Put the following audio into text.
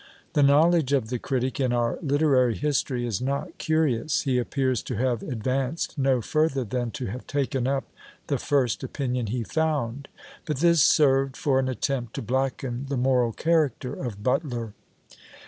The knowledge of the critic in our literary history is not curious; he appears to have advanced no further than to have taken up the first opinion he found; but this served for an attempt to blacken the moral character of BUTLER!